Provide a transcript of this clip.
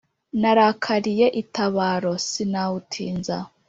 narakaliye itabaro, sinawutinza.